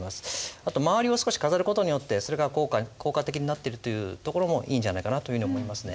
あと周りを少し飾る事によってそれが効果的になっているところもいいんじゃないかなというふうに思いますね。